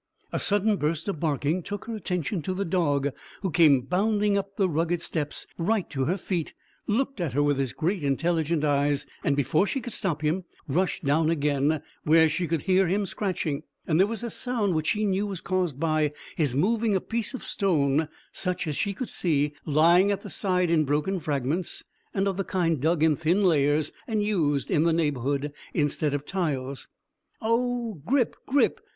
A sudden burst of barking took her attention to the dog, who came bounding up the rugged steps right to her feet, looked at her with his great intelligent eyes, and, before she could stop him, rushed down again, where she could hear him scratching, and there was a sound which she knew was caused by his moving a piece of stone such as she could see lying at the side in broken fragments, and of the kind dug in thin layers, and used in the neighbourhood instead of tiles. "Oh, Grip, Grip!